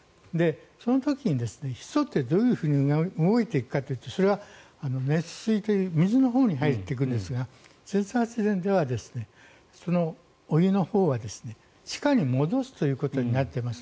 その時にヒ素ってどう動いていくかというとそれは熱水という水のほうに入っていくんですが発電ではお湯のほうは地下に戻すということになっています。